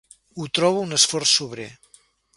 Ho troba un esforç sobrer.